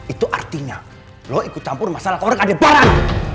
itu artinya lo ikut campur masalah keluarga aldebaran